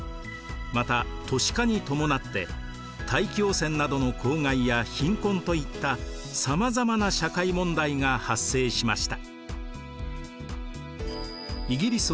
また都市化に伴って大気汚染などの公害や貧困といったさまざまな社会問題が発生しました。